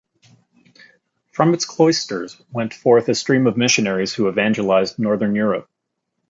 From its cloisters went forth a stream of missionaries who evangelised Northern Europe.